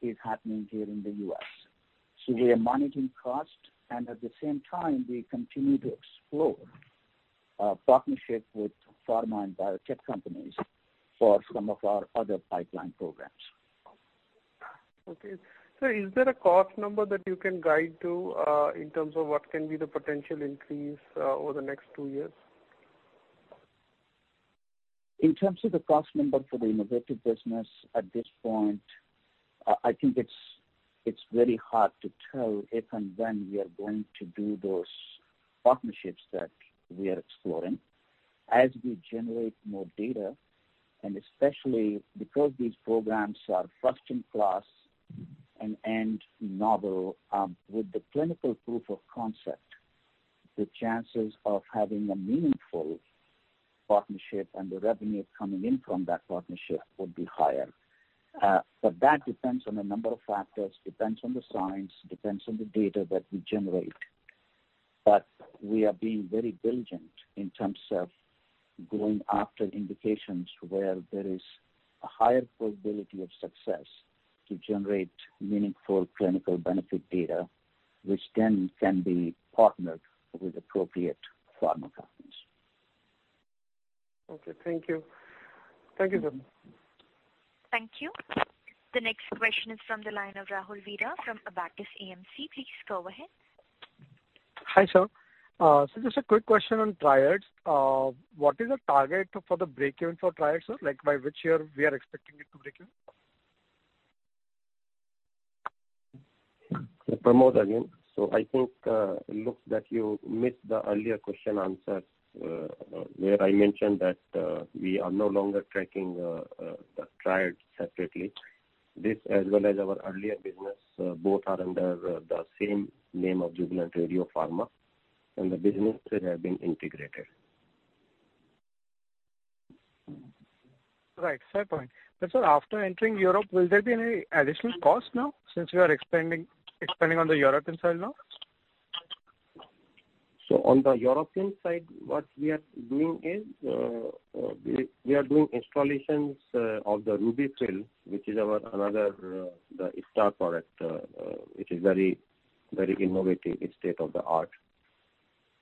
is happening here in the U.S. We are monitoring cost and at the same time, we continue to explore partnership with pharma and biotech companies for some of our other pipeline programs. Okay. Sir, is there a cost number that you can guide to in terms of what can be the potential increase over the next two years? In terms of the cost number for the innovative business, at this point, I think it's very hard to tell if and when we are going to do those partnerships that we are exploring. As we generate more data, and especially because these programs are first-in-class and novel with the clinical proof of concept, the chances of having a meaningful partnership and the revenue coming in from that partnership would be higher. That depends on a number of factors, depends on the science, depends on the data that we generate. We are being very diligent in terms of going after indications where there is a higher probability of success to generate meaningful clinical benefit data, which then can be partnered with appropriate pharma companies. Okay, thank you. Thank you, sir. Thank you. The next question is from the line of Rahul Veera from Abakkus AMC. Please go ahead. Hi, sir. Just a quick question on Triad. What is the target for the break-even for Triad, sir? Like by which year we are expecting it to break even? Pramod again. I think, it looks that you missed the earlier question answer, where I mentioned that we are no longer tracking Triad separately. This, as well as our earlier business, both are under the same name of Jubilant Radiopharma, and the businesses have been integrated. Right. Fair point. Sir, after entering Europe, will there be any additional cost now since you are expanding on the European side now? On the European side, what we are doing is, we are doing installations of the RUBY-FILL, which is our another star product, which is very innovative. It's state of the art.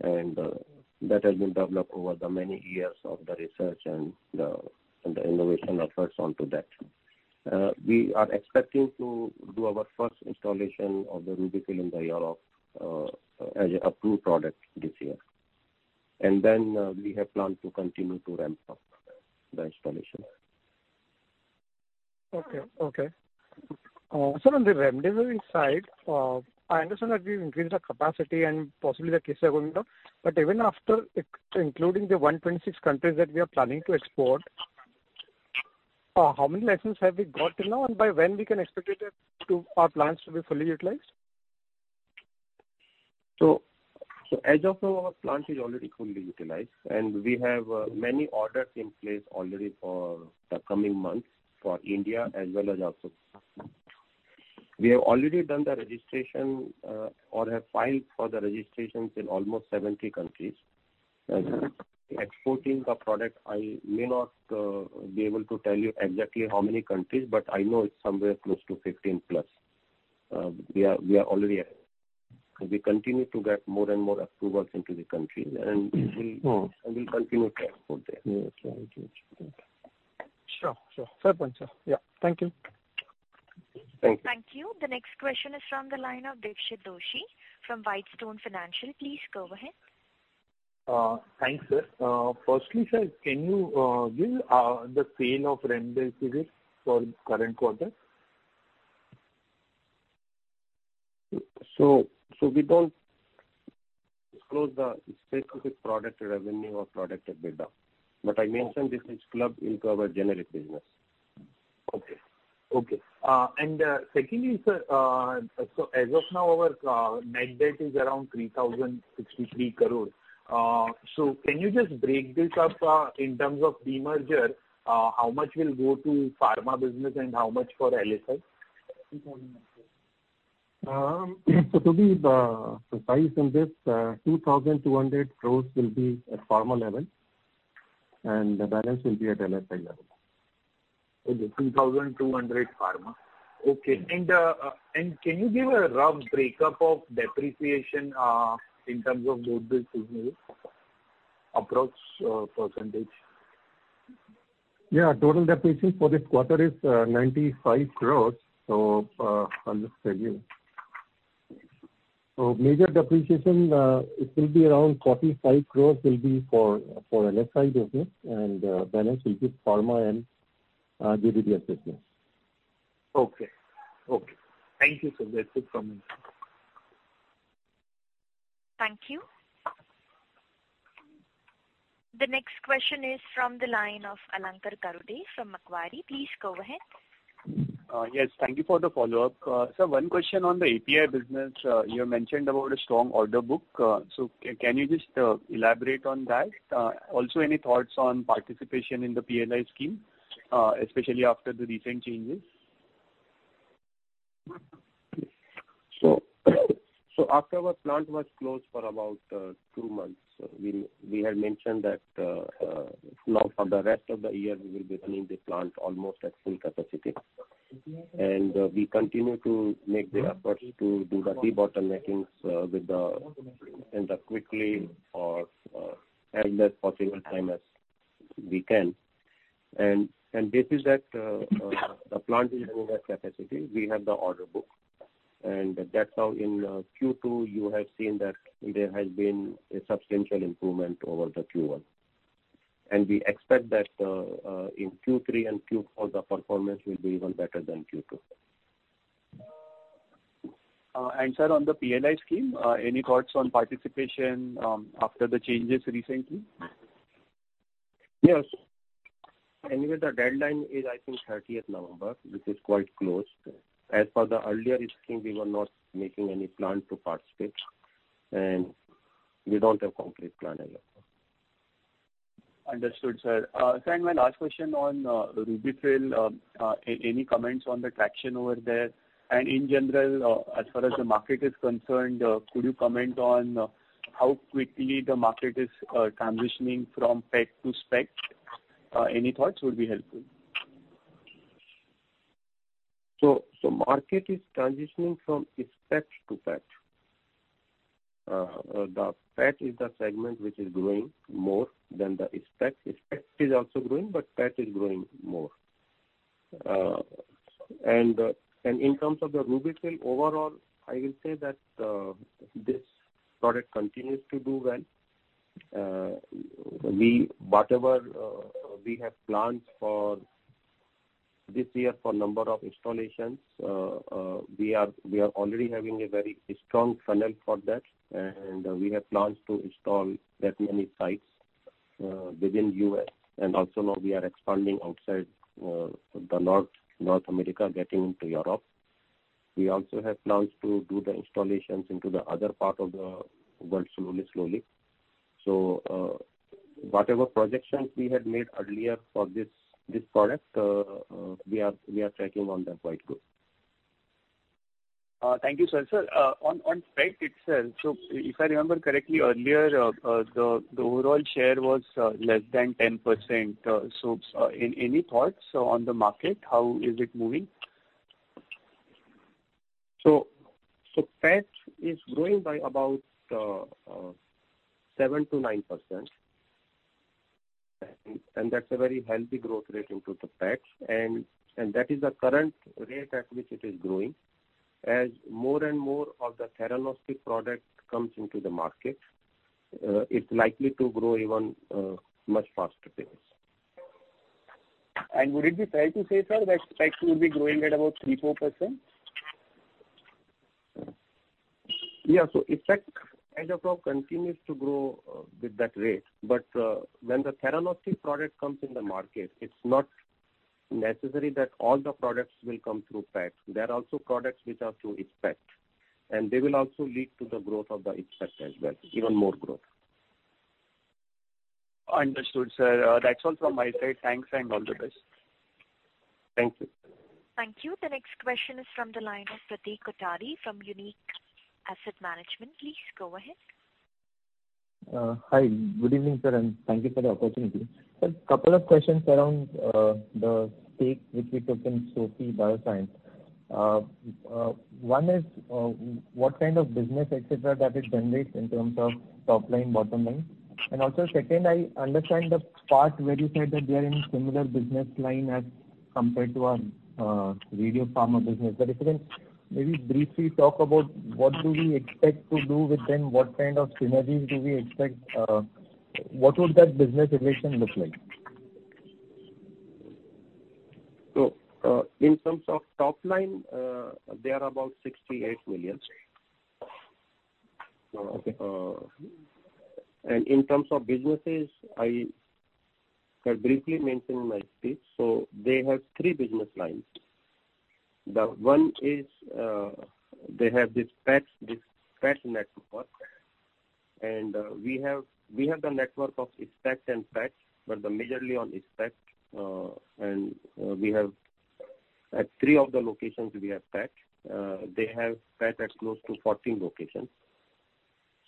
That has been developed over the many years of the research and the innovation efforts onto that. We are expecting to do our first installation of the RUBY-FILL in Europe as an approved product this year. We have planned to continue to ramp up the installation. Okay. Sir, on the remdesivir side, I understand that we've increased the capacity and possibly the cases are going up, but even after including the 126 countries that we are planning to export, how many licenses have we got till now, and by when we can expect our plants to be fully utilized? As of now, our plant is already fully utilized, and we have many orders in place already for the coming months for India as well as outside. We have already done the registration or have filed for the registrations in almost 70 countries. Exporting the product, I may not be able to tell you exactly how many countries, but I know it's somewhere close to 15 plus. We continue to get more and more approvals into the country, and we'll continue to export there. Yes. Got you. Sure. Fair point, sir. Yeah. Thank you. Thank you. Thank you. The next question is from the line of Dixit Doshi from Whitestone Financial. Please go ahead. Thanks, sir. Firstly, sir, can you give the sale of remdesivir for the current quarter? We don't disclose the specific product revenue or product split down, but I mentioned this is clubbed into our generic business. Okay. Secondly, sir, as of now, our net debt is around 3,063 crore. Can you just break this up in terms of demerger? How much will go to pharma business and how much for LSI? To be precise on this, 2,200 crore will be at pharma level, and the balance will be at LSI level. Okay. 2,200 pharma. Okay. Can you give a rough breakup of depreciation in terms of goodwill amortization? Approx percentage? Yeah. Total depreciation for this quarter is 95 crores. I'll just tell you. Major depreciation, it will be around 45 crores will be for LSI business, and balance will be pharma and CRDMO business. Okay. Thank you, sir. That's it from me. Thank you. The next question is from the line of Alankar Garude from Macquarie. Please go ahead. Yes, thank you for the follow-up. Sir, one question on the API business. You mentioned about a strong order book. Can you just elaborate on that? Also, any thoughts on participation in the PLI scheme, especially after the recent changes? After our plant was closed for about 2 months, we had mentioned that now for the rest of the year, we will be running the plant almost at full capacity. We continue to make the efforts to do the key debottleneckings up quickly or as less possible time as we can. Based that, the plant is running at capacity. We have the order book. That's how in Q2, you have seen that there has been a substantial improvement over the Q1. We expect that in Q3 and Q4, the performance will be even better than Q2. Sir, on the PLI scheme, any thoughts on participation after the changes recently? Yes. Anyway, the deadline is, I think, 30th November, which is quite close. As per the earlier scheme, we were not making any plan to participate, and we don't have complete plan as yet. Understood, sir. Sir, my last question on RUBY-FILL. Any comments on the traction over there? In general, as far as the market is concerned, could you comment on how quickly the market is transitioning from PET to SPECT? Any thoughts would be helpful. Market is transitioning from SPECT to PET. The PET is the segment which is growing more than the SPECT. SPECT is also growing, but PET is growing more. In terms of the RUBY-FILL, overall, I will say that this product continues to do well. Whatever we have planned for this year for number of installations, we are already having a very strong funnel for that, and we have plans to install that many sites within U.S. Also now we are expanding outside the North America, getting into Europe. We also have plans to do the installations into the other part of the world slowly. Whatever projections we had made earlier for this product, we are tracking on them quite good. Thank you, sir. Sir, on SPECT itself, if I remember correctly, earlier, the overall share was less than 10%. Any thoughts on the market? How is it moving? PET is growing by about 7%-9%, and that's a very healthy growth rate into the PET. That is the current rate at which it is growing. As more and more of the theranostic product comes into the market, it's likely to grow even much faster pace. Would it be fair to say, sir, that SPECT will be growing at about three, four %? SPECT, as of now, continues to grow with that rate. When the theranostics product comes in the market, it's not necessary that all the products will come through PET. There are also products which are through SPECT, and they will also lead to the growth of the SPECT as well, even more growth. Understood, sir. That's all from my side. Thanks, and all the best. Thank you. Thank you. The next question is from the line of Pratik Kothari from Unique Asset Management. Please go ahead. Hi. Good evening, sir. Thank you for the opportunity. Sir, couple of questions around the stake which we took in SOFIE Biosciences. One is, what kind of business, et cetera, that it generates in terms of top line, bottom line? Also second, I understand the part where you said that they are in similar business line as compared to our Radiopharma business. If you can maybe briefly talk about what do we expect to do with them, what kind of synergies do we expect? What would that business equation look like? In terms of top line, they are about $68 million. Okay. In terms of businesses, I had briefly mentioned in my speech, so they have 3 business lines. One is, they have this PET network. We have the network of SPECT and PET, but majorly on SPECT. At 3 of the locations, we have PET. They have PET at close to 14 locations.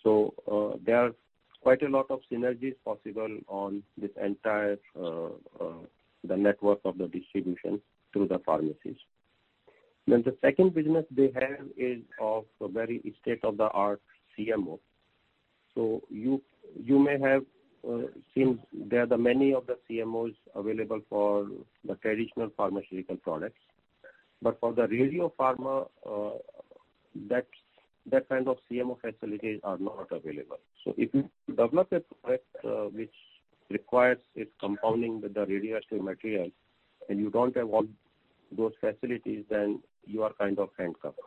There are quite a lot of synergies possible on this entire network of the distribution through the pharmacies. The second business they have is of a very state-of-the-art CMO. You may have seen there are many of the CMOs available for the traditional pharmaceutical products. For the Radiopharma, that kind of CMO facilities are not available. If you develop a product which requires it compounding with the radioactive material, and you don't have all those facilities, then you are kind of handcuffed.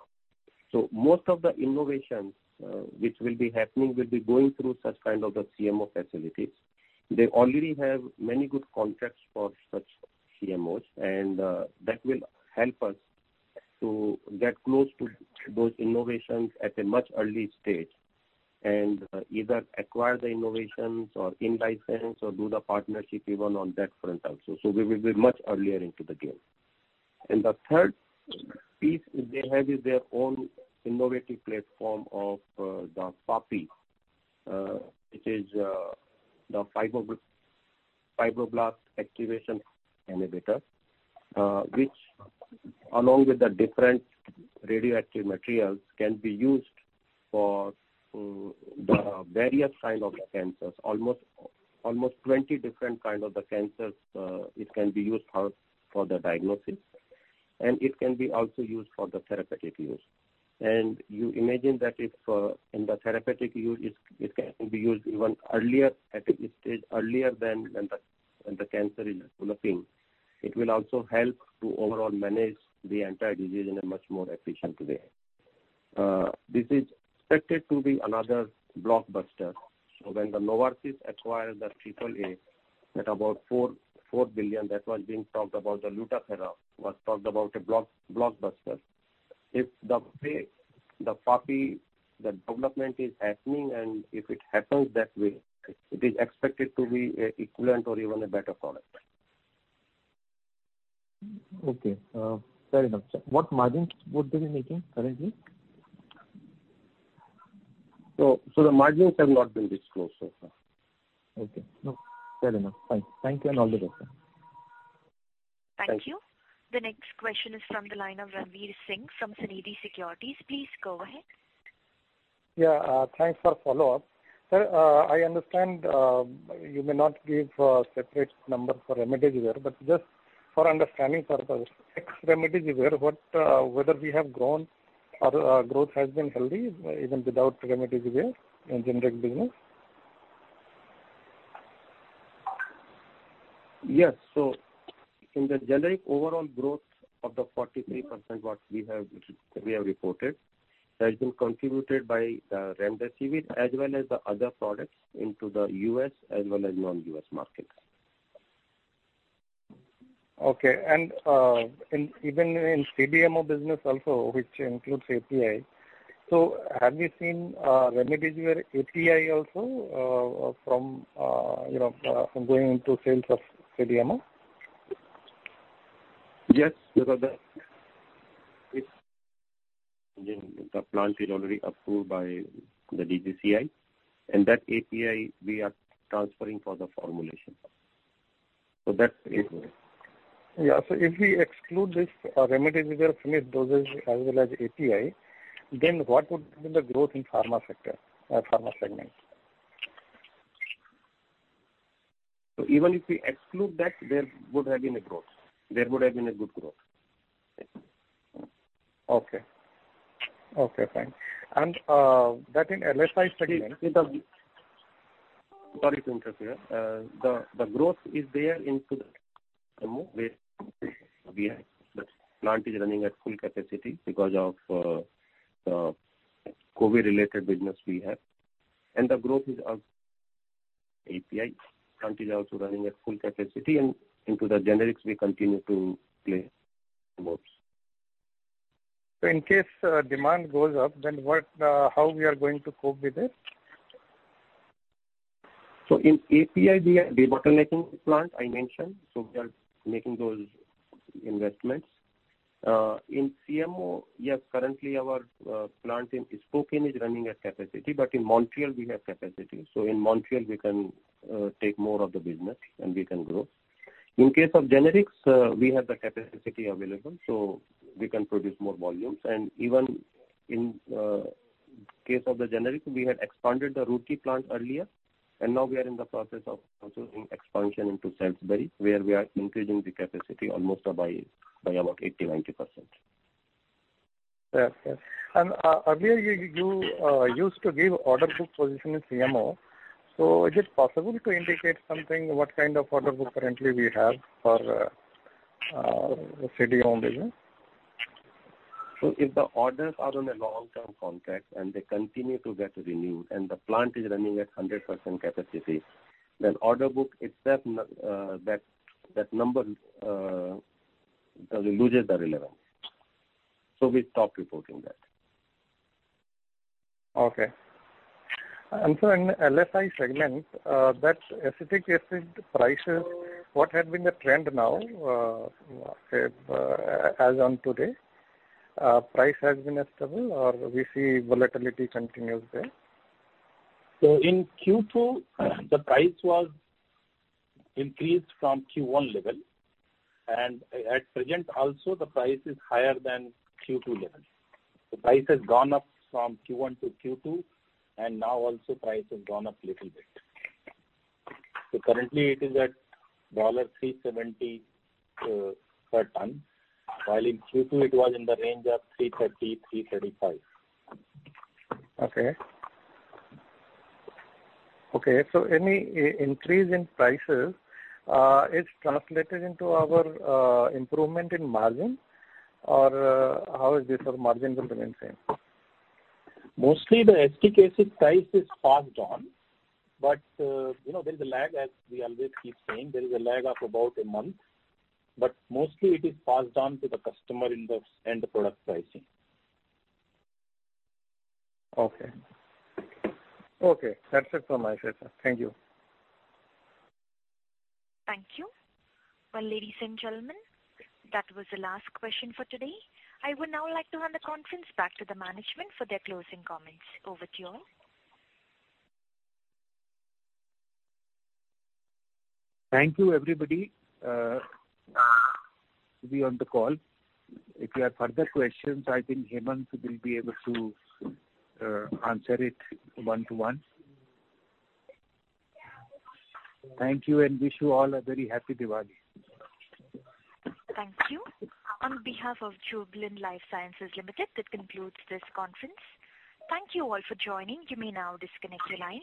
Most of the innovations which will be happening will be going through such kind of the CMO facilities. They already have many good contracts for such CMOs, and that will help us to get close to those innovations at a much early stage and either acquire the innovations or in-license or do the partnership even on that front also. We will be much earlier into the game. The third piece they have is their own innovative platform of the FAPI, which is the Fibroblast Activation Inhibitor, which along with the different radioactive materials can be used for the various kind of cancers. Almost 20 different kind of the cancers it can be used for the diagnosis. It can be also used for the therapeutic use. You imagine that if in the therapeutic use it can be used even earlier at a stage, earlier than when the cancer is developing. It will also help to overall manage the entire disease in a much more efficient way. This is expected to be another blockbuster. When the Novartis acquired the Endocyte at about $4 billion, that was being talked about, the Lutathera was talked about a blockbuster. If the way the FAPI, the development is happening, and if it happens that way, it is expected to be equivalent or even a better product. Okay. Fair enough, sir. What margin would they be making currently? The margins have not been disclosed so far. Okay. Fair enough. Thank you, and all the best, sir. Thank you. The next question is from the line of Ranvir Singh from Sunidhi Securities. Please go ahead. Yeah. Thanks for follow-up. Sir, I understand you may not give a separate number for remdesivir, but just for understanding purpose, remdesivir, whether we have grown or our growth has been healthy even without remdesivir in generic business? Yes. In the generic overall growth of the 43% what we have reported has been contributed by the remdesivir as well as the other products into the U.S. as well as non-U.S. markets. Okay. Even in CDMO business also, which includes API, so have we seen remdesivir API also from going into sales of CDMO? Yes, because the plant is already approved by the DCGI, and that API we are transferring for the formulation. Yeah. If we exclude this remdesivir finished dosage as well as API, then what would be the growth in pharma segment? Even if we exclude that, there would have been a growth. There would have been a good growth. Okay. Fine. That in LSI segment. Sorry to interrupt you. The growth is there into the where we have the plant is running at full capacity because of the COVID-related business we have. The growth is of API. Plant is also running at full capacity and into the generics we continue to play both. In case demand goes up, then how we are going to cope with it? In API, debottlenecking the plant, I mentioned. We are making those investments. In CMO, yes, currently our plant in Spokane is running at capacity, but in Montreal we have capacity. In Montreal we can take more of the business and we can grow. In case of generics, we have the capacity available, so we can produce more volumes. Even in case of the generics, we had expanded the Roorkee plant earlier, and now we are in the process of also doing expansion into Salisbury, where we are increasing the capacity almost by about 80%-90%. Yes. Earlier, you used to give order book position in CMO. Is it possible to indicate something, what kind of order book currently we have for CDMO business? If the orders are on a long-term contract and they continue to get renewed and the plant is running at 100% capacity, then order book, that number loses the relevance. We stopped reporting that. Okay. Sir, in LSI segment, that acetic anhydride prices, what has been the trend now as on today? Price has been stable or we see volatility continues there? In Q2, the price was increased from Q1 level. At present also the price is higher than Q2 level. The price has gone up from Q1 to Q2 and now also price has gone up little bit. Currently it is at $370 per ton, while in Q2 it was in the range of $330-$335. Okay. Any increase in prices is translated into our improvement in margin, or how is this our margins will remain same? Mostly the acetic anhydride price is passed on. There's a lag as we always keep saying. There is a lag of about a month, mostly it is passed on to the customer in the end product pricing. Okay. That's it from my side, sir. Thank you. Thank you. Well, ladies and gentlemen, that was the last question for today. I would now like to hand the conference back to the management for their closing comments. Over to you all. Thank you everybody to be on the call. If you have further questions, I think Hemant will be able to answer it one to one. Thank you and wish you all a very happy Diwali. Thank you. On behalf of Jubilant Life Sciences Limited, that concludes this conference. Thank you all for joining. You may now disconnect your line.